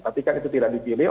tapi kan itu tidak dipilih